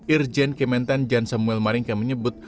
irjen kementan jan samuel maringka menyebut